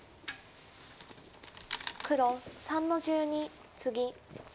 黒３の十二ツギ。